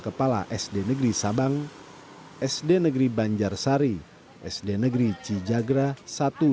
kepala sd negeri sabang sd negeri banjar sari sd negeri cijagra i dan ii